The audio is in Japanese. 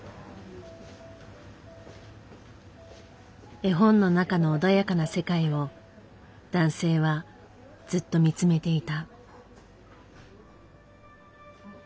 絵本の中の穏やかな世界を男性はずっと見つめていた。